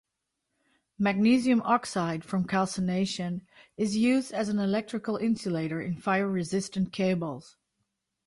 Magnesium oxide from calcination is used as an electrical insulator in fire-resistant cables.